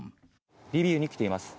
リビウに来ています。